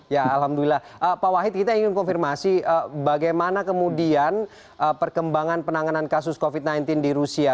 ya alhamdulillah pak wahid kita ingin konfirmasi bagaimana kemudian perkembangan penanganan kasus covid sembilan belas di rusia